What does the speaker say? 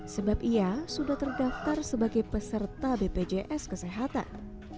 sebab ia sudah terdaftar sebagai peserta bpjs kesehatan